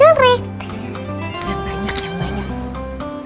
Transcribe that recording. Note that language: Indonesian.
yang banyak yang banyak